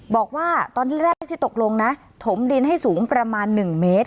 บอกว่าตอนแรกที่ตกลงนะถมดินให้สูงประมาณ๑เมตร